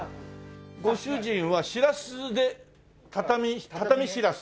ご主人はしらすでたたみしらす？